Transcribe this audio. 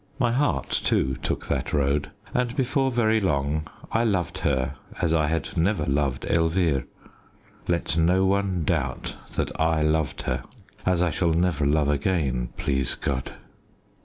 My heart, too, took that road, and before very long I loved her as I had never loved Elvire. Let no one doubt that I loved her as I shall never love again, please God!